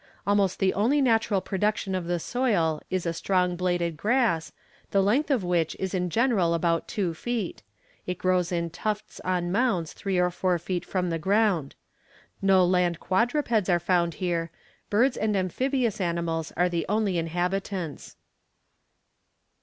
Almost the only natural production of the soil is a strong bladed grass, the length of which is in general about two feet; it grows in tufts on mounds three or four feet from the ground. No land quadrupeds are found here; birds and amphibious animals are the only inhabitants."